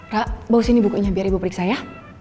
ra bawa sini buku ini biar ibu periksa ya